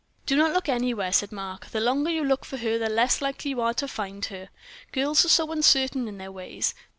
"Do not look anywhere," said Mark; "the longer you look for her the less likely you are to find her. Girls are so uncertain in their ways.